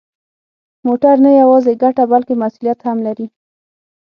موټر نه یوازې ګټه، بلکه مسؤلیت هم لري.